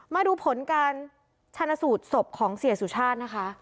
มาดูผลการชนะสูตรศพของเสียสุชาตินะคะ